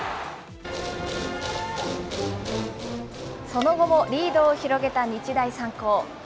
その後もリードを広げた日大三高。